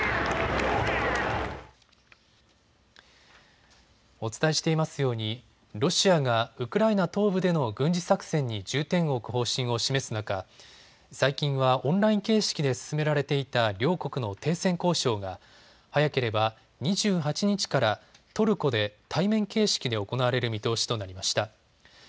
お伝えしていますようにロシアがウクライナ東部での軍事作戦に重点を置く方針を示す中、最近はオンライン形式で進められていた両国の停戦交渉が早ければ２８日からトルコで対面形式で行われる見通しとなりました。